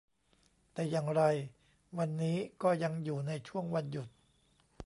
แต่อย่างไรวันนี้ก็ยังอยู่ในช่วงวันหยุด